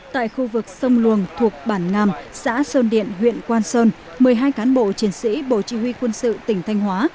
tại khu vực sông luồng thuộc bản ngàm xã sơn điện huyện quang sơn một mươi hai cán bộ chiến sĩ bộ chỉ huy quân sự tỉnh thanh hóa